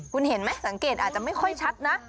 คุณเห็นไหมสังเกตอาจจะไม่ค่อยชัดนะ